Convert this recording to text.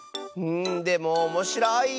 でもおもしろい！